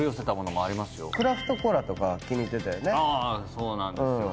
そうなんですよ。